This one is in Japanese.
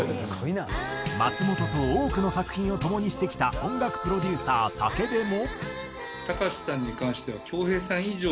松本と多くの作品を共にしてきた音楽プロデューサー武部も。